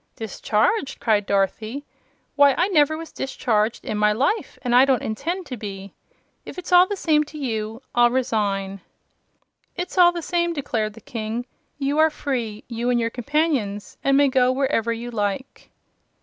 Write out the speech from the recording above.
"Discharged!" cried Dorothy. "Why, I never was discharged in my life, and I don't intend to be. If it's all the same to you, I'll resign." "It's all the same," declared the King. "You are free you and your companions and may go wherever you like."